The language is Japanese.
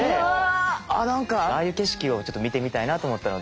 何かああいう景色をちょっと見てみたいなと思ったので。